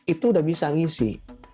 itu sudah bisa ngisi